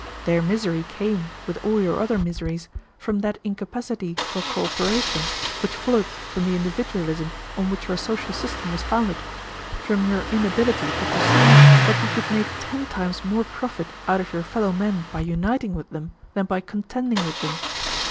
Their misery came, with all your other miseries, from that incapacity for cooperation which followed from the individualism on which your social system was founded, from your inability to perceive that you could make ten times more profit out of your fellow men by uniting with them than by contending with them.